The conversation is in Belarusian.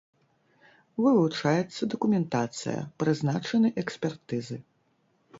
Вывучаецца дакументацыя, прызначаны экспертызы.